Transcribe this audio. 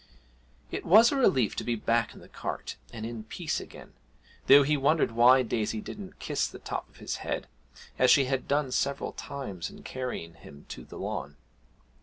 It was a relief to be back in the cart and in peace again, though he wondered why Daisy didn't kiss the top of his head as she had done several times in carrying him to the lawn.